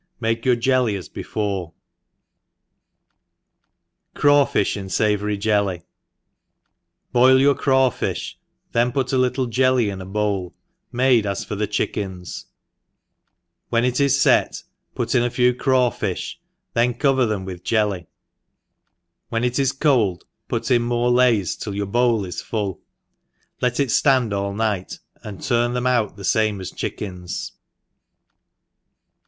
— Make your jeljy as before, .. Craw. Fish in Savory Jelly. BOIL your craw fifh, then put a little jelly ip a bowl, made as for the chickens, when it is fct, put in a few craw fifh, then cover them with jelly, wheri it is cold, put in more lays till your bowl is full, let it ftand all night, and turn them out the fame as the chicken;, Craw Fish in Jelly.